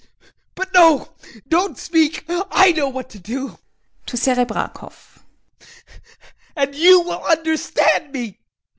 But no, don't speak! I know what to do. [To SEREBRAKOFF] And you will understand me!